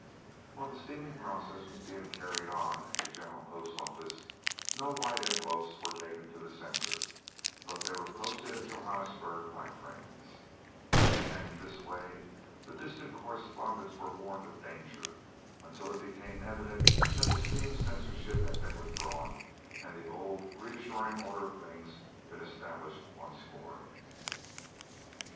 While the steaming process was being carried on at the General Post Office, no White Envelopes were taken to the censor, but they were posted at Johannesburg by friends, and in this way the distant correspondents were warned of danger, until it became evident that the steam censorship had been withdrawn and the old reassuring order of things been established once more.